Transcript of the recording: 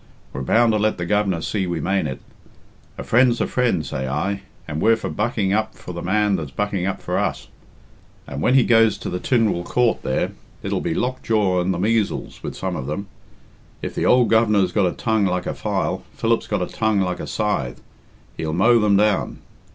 We're bound to let the Governor see we mane it. A friend's a friend, say I, and we're for bucking up for the man that's bucking up for us. And when he goes to the Tynwald Coort there, it'll be lockjaw and the measles with some of them. If the ould Governor's got a tongue like a file, Philip's got a tongue like a scythe he'll mow them down.